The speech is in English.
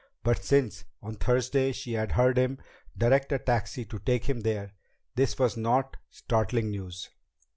But since, on Thursday, she had heard him direct a taxi to take him there, this was not startling news.